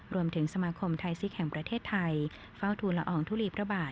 รวมถึงสมาคมไทยซิกแห่งประเทศไทยเฝ้าทูลละอองทุลีพระบาท